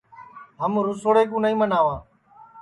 ہم رُسوڑے کُو نائی مناواں